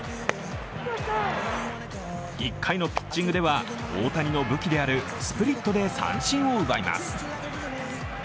１回のピッチングでは大谷の武器であるスプリットで三振を奪います。